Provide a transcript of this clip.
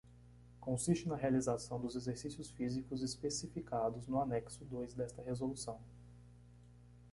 Consiste na realização dos exercícios físicos especificados no anexo dois desta Resolução.